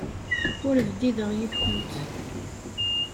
Ur bdideɣ yid-went.